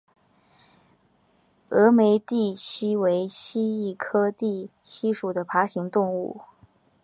峨眉地蜥为蜥蜴科地蜥属的爬行动物。